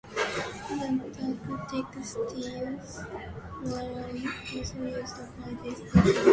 Cotton textiles were also used by these peoples.